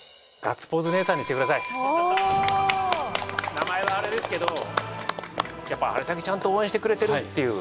名前はあれですけどやっぱあれだけちゃんと応援してくれてるっていう。